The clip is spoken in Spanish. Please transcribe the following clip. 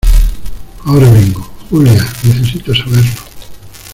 ahora vengo. Julia, necesito saberlo .